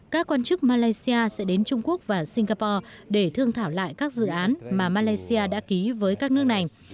các quan chức malaysia sẽ đến trung quốc và singapore để thương thảo lại các dự án mà malaysia đã ký với các nước này